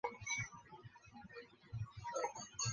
她被中国著名京剧艺术家马连良收为女弟子。